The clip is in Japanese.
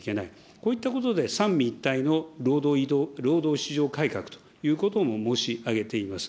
こういったことで三位一体の労働市場改革ということも申し上げています。